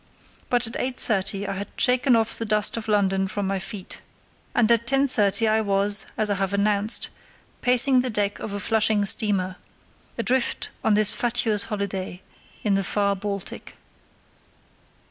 But at 8.30 I had shaken off the dust of London from my feet, and at 10.30 I was, as I have announced, pacing the deck of a Flushing steamer, adrift on this fatuous holiday in the far Baltic.